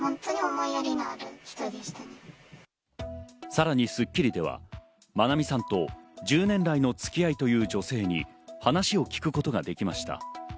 さらに『スッキリ』では、愛美さんと十年来のつき合いという女性に話を聞くことができました。